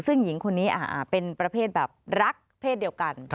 ซึ่งหญิงคนนี้เป็นประเภทแบบรักเพศเดียวกัน